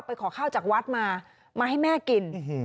ขอข้าวจากวัดมามาให้แม่กิน